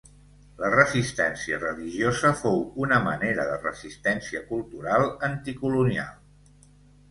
La resistència religiosa fou una manera de resistència cultural anticolonial.